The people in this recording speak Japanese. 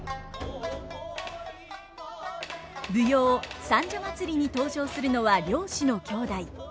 舞踊「三社祭」に登場するのは漁師の兄弟。